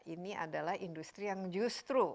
ini adalah industri yang justru